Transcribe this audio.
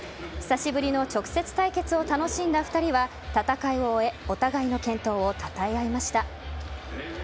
久しぶりの直接対決を楽しんだ２人は戦いを終えお互いの健闘をたたえ合いました。